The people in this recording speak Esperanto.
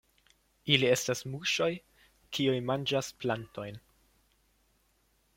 Ili estas muŝoj, kiuj manĝas plantojn.